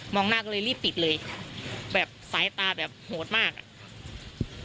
หน้าก็เลยรีบปิดเลยแบบสายตาแบบโหดมากอ่ะ